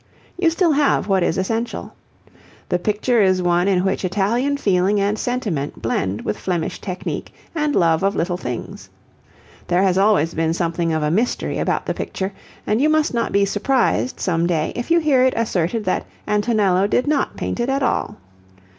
You still have what is essential. The picture is one in which Italian feeling and sentiment blend with Flemish technique and love of little things. There has always been something of a mystery about the picture, and you must not be surprised some day if you hear it asserted that Antonello did not paint it at all.